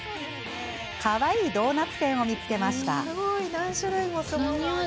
かわいいドーナツ店を見つけました。